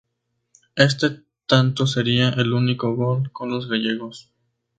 Este tanto sería el único gol con los gallegos.